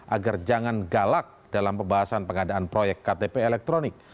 agar jangan galak dalam pembahasan pengadaan proyek ktp elektronik